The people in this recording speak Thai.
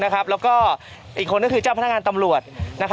แล้วก็อีกคนก็คือเจ้าพนักงานตำรวจ